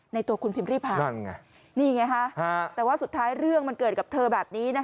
ตัวคุณพิมพิพานี่ไงฮะแต่ว่าสุดท้ายเรื่องมันเกิดกับเธอแบบนี้